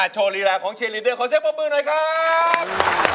โชว์ลีลาของเชียรีด้วยขอเชฟปรบมือหน่อยครับ